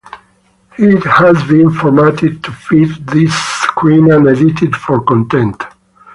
It has been formatted to fit this screen and edited for content.